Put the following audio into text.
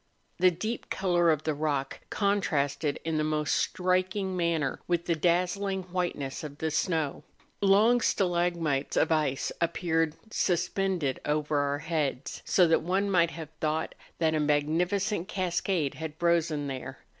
The deep colour of the rock contrasted in the most striking manner with the dazzling white¬ ness of the snow. Long stalagmites of ice appeared suspended over our heads, so that one might have CHIMBORAZO. 299 thought that a magnificent cascade had frozen there.